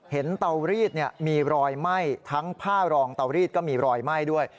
เตารีดมีรอยไหม้ทั้งผ้ารองเตารีดก็มีรอยไหม้ด้วย